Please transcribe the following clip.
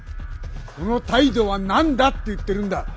その態度は何だって言ってるんだ！